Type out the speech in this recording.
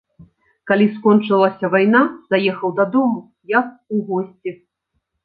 Калі скончылася вайна, заехаў дадому, як у госці.